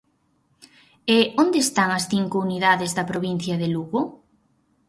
E ¿onde están as cinco unidades da provincia de Lugo?